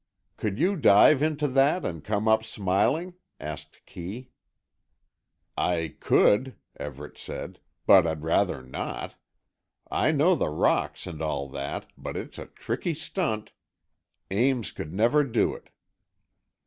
"Could you dive into that and come up smiling?" asked Kee. "I could," Everett said, "but I'd rather not. I know the rocks and all that, but it's a tricky stunt. Ames could never do it."